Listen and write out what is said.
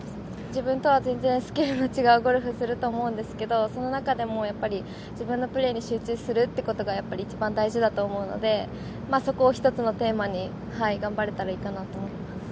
自分とは全然スケールの違うゴルフをすると思うんですけど、その中でもやっぱり、自分のプレーに集中するということがやっぱり一番大事だと思うので、そこを一つのテーマに頑張れたらいいかなと思っています。